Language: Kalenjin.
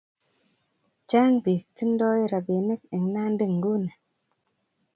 Chang pik tindo rapinik en Nandi nguni.